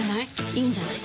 いいんじゃない？